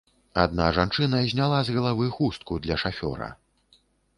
Адна жанчына зняла з галавы хустку для шафёра.